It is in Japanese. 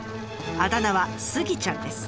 あだ名は「スギちゃん」です。